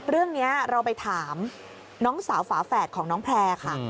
เรื่องนี้เราไปถามน้องสาวฝาแฝดของน้องแพร่ค่ะ